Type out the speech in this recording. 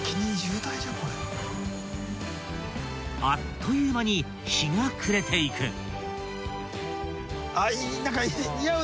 ［あっという間に日が暮れていく］